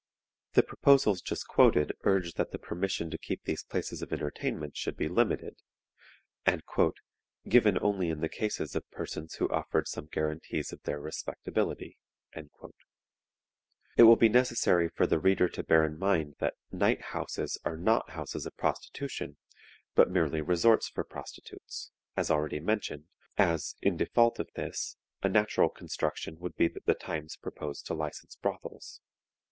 The proposals just quoted urge that the permission to keep these places of entertainment should be limited, and "given only in the cases of persons who offered some guarantees of their respectability." It will be necessary for the reader to bear in mind that "night houses" are not houses of prostitution, but merely resorts for prostitutes, as already mentioned, as, in default of this, a natural construction would be that the Times proposed to license brothels.